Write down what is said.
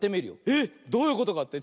えっどういうことかって？